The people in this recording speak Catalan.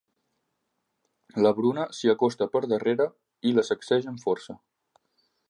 La Bruna s'hi acosta per darrere i la sacseja amb força.